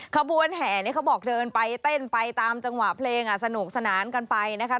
ขบวนแห่นี่เขาบอกเดินไปเต้นไปตามจังหวะเพลงสนุกสนานกันไปนะคะ